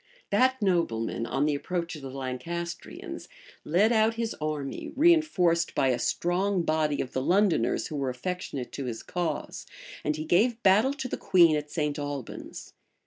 That nobleman on the approach of the Lancastrians, led out his army, reënforced by a strong body of the Londoners, who were affectionate to his cause; and he gave battle to the queen at St. Albans.